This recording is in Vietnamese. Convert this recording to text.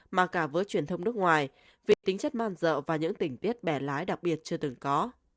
mà cả với truyền thông nước ngoài về tính chất man dợ và những tình tiết bẻ lái đặc biệt chưa từng có